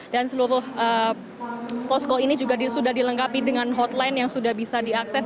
dan seluruh posko ini juga sudah dilengkapi dengan hotline yang sudah bisa diakses